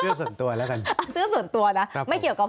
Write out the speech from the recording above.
เอาเสื้อส่วนตัวแล้วกัน